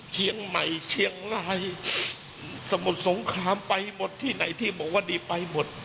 เชียงใหม่เชียงรายสมุทรสงครามไปหมดที่ไหนที่บอกว่าดีไปหมด